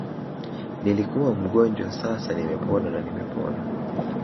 Nilikuwa mgonjwa sasa nimepona na nimepona